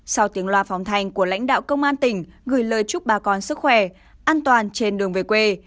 sau tiếng loa phóng thành của lãnh đạo công an tỉnh gửi lời chúc bà con sức khỏe an toàn trên đường về quê